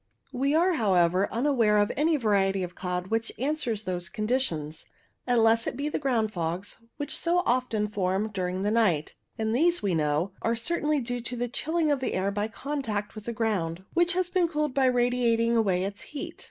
We are, however, unaware CLOUD FORMATION 89 of any variety of cloud which answers those condi tions, unless it be the ground fogs which so often form during the night ; and these, we know, are certainly due to the chilling of the air by contact with the ground, which has been cooled by radiating away its heat.